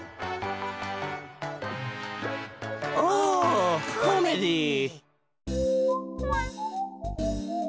オコメディー！